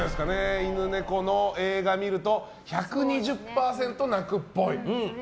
犬猫の映画を見ると１２０％泣くっぽい。